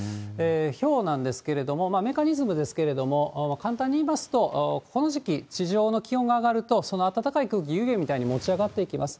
ひょうなんですけれども、メカニズムですけれども、簡単に言いますと、この時期、地上の気温が上がると、その暖かい空気、湯気みたいに持ち上がっていきます。